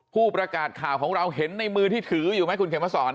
ผู้ประกาศข่าวของเราเห็นในมือที่ถืออยู่ไหมคุณเขียนมาสอน